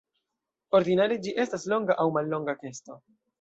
Ordinare ĝi estas longa aŭ mallonga kesto.